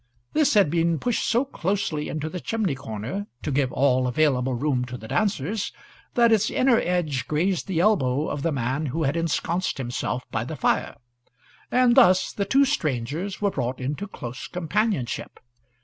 This had been pushed so closely into the chimney corner, to give all available room to the dancers, that its inner edge grazed the elbow of the man who had ensconced himself by the fire, and thus the two strangers were brought into close companionship.